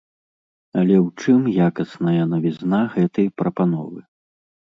Але ў чым якасная навізна гэтай прапановы?